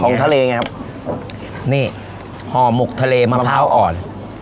ทะเลไงครับนี่ห่อหมกทะเลมะพร้าวอ่อน